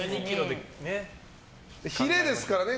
ヒレですからね。